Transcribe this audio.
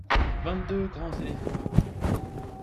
vingt deux grands éléphants.